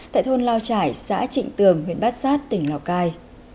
tại thôn lao trải xã trịnh tường huyện bát sát tỉnh lào cai